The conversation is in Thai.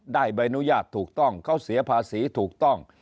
ใบอนุญาตถูกต้องเขาเสียภาษีถูกต้อง